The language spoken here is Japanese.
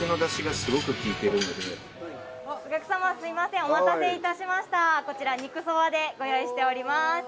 お客様すいませんお待たせいたしましたこちら肉そばでご用意しております